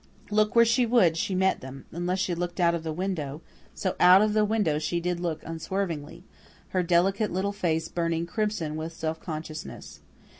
Look where she would, she met them, unless she looked out of the window; so out of the window she did look unswervingly, her delicate little face burning crimson with self consciousness.